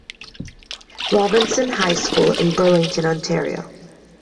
Robinson High School in Burlington, Ontario.